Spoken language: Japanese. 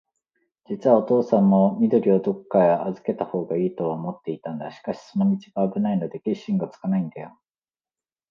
じつはおとうさんも、緑をどっかへあずけたほうがいいとは思っていたんだ。しかし、その道があぶないので、決心がつかないんだよ。